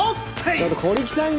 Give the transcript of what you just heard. ちょっと小力さんじゃん！